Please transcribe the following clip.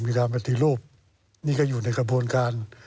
มีการปฏิรูปนี่ก็อยู่ในกระบวนการ